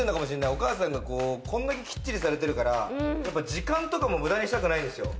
お母さんがこんだけきっちりされてるから、時間とかも無駄にしたくないんですよ。